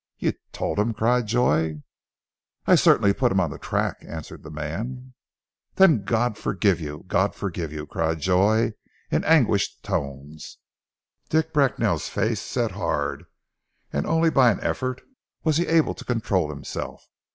"You told him?" cried Joy. "I certainly put him on the track," answered the man. "Then God forgive you! God forgive you!" cried Joy in anguished tones. Dick Bracknell's face set hard, and only by an effort was he able to control himself.